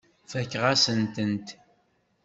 Fakeɣ-asent-tent.